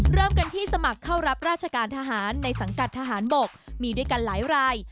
เริ่มกันที่สมัครเข้ารับราชการทหารในสังกัดทหารบกมีด้วยกันหลายราย